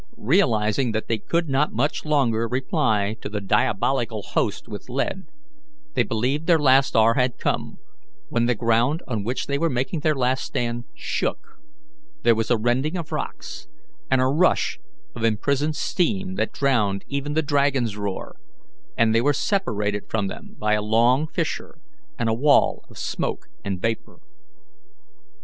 Realizing that they could not much longer reply to the diabolical host with lead, they believed their last hour had come, when the ground on which they were making their last stand shook, there was a rending of rocks and a rush of imprisoned steam that drowned even the dragons' roar, and they were separated from them by a long fissure and a wall of smoke and vapour.